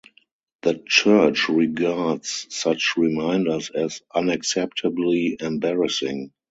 The church regards such reminders as unacceptably embarrassing.